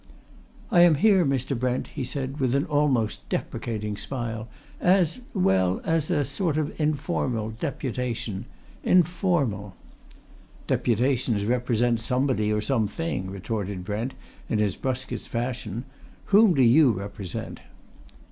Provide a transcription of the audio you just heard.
"I am here, Mr. Brent," he said, with an almost deprecating smile, "as well, as a sort of informal deputation informal." "Deputations represent somebody or something," retorted Brent, in his brusquest fashion. "Whom do you represent?"